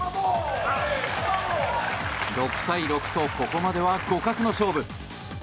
６対６とここまでは互角の勝負。